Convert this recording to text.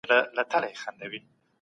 ظلم تل د تباهۍ سبب ګرځي.